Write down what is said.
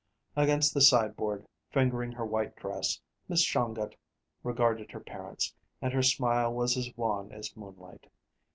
Against the sideboard, fingering her white dress, Miss Shongut regarded her parents, and her smile was as wan as moonlight.